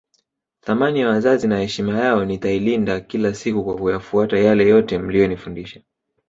Thamani ya wazazi na heshima yao nitailinda kila siku kwa kuyafuata yale yote mliyonifundisha